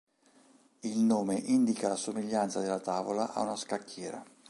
Il nome indica la somiglianza della tavola a una scacchiera.